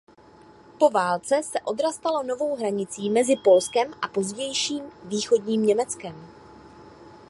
Po válce se Odra stala novou hranicí mezi Polskem a pozdějším východním Německem.